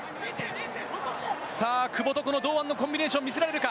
久保とこの堂安のコンビネーションを見せられるか。